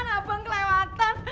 bukan abang kelewatan